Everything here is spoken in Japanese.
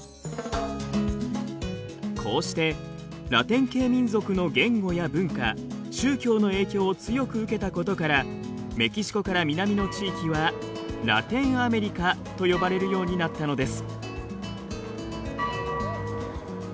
こうしてラテン系民族の言語や文化宗教の影響を強く受けたことからメキシコから南の地域はラテンアメリカと呼ばれるようになったのです。